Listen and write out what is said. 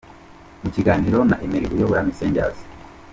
Mu kiganiro na Emile uyobora Messengers